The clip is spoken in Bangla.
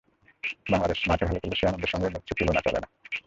বাংলাদেশ মাঠে ভালো করলে সেই আনন্দের সঙ্গে অন্য কিছুর তুলনা চলে না।